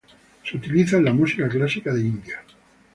Su utiliza en la música clásica de India.